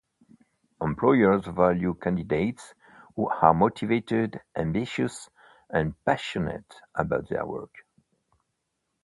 Employers value candidates who are motivated, ambitious, and passionate about their work.